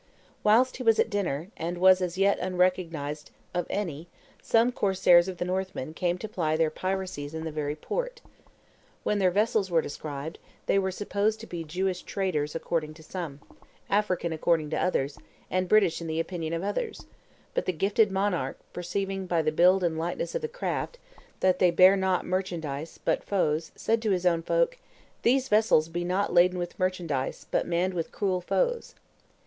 Whilst he was at dinner, and was as yet unrecognized of any, some corsairs of the Northmen came to ply their piracies in the very port. When their vessels were descried, they were supposed to be Jewish traders according to some, African according to others, and British in the opinion of others; but the gifted monarch, perceiving, by the build and lightness of the craft, that they bare not merchandise, but foes, said to his own folk, 'These vessels be not laden with merchandise, but manned with cruel foes.